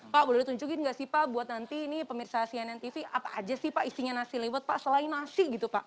pak boleh ditunjukin nggak sih pak buat nanti ini pemirsa cnn tv apa aja sih pak isinya nasi liwet pak selain nasi gitu pak